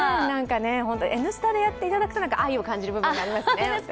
「Ｎスタ」でやっていただく、愛を感じる部分がありますね。